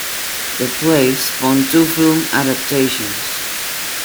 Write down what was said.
The play spawned two film adaptations.